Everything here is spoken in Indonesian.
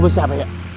itu siapa ya